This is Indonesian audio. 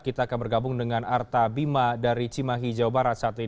kita akan bergabung dengan arta bima dari cimahi jawa barat saat ini